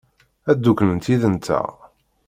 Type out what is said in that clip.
Ad dduklent yid-nteɣ?